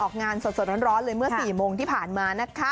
ออกงานสดร้อนเลยเมื่อ๔โมงที่ผ่านมา